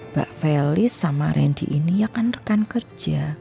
mbak felis sama randy ini ya kan rekan kerja